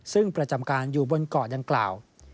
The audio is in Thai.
ซึ่งประจำการอยู่บนเกาะดังกล่าว